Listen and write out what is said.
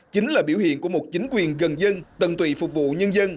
chính là biểu hiện của một chính quyền gần dân tận tụy phục vụ nhân dân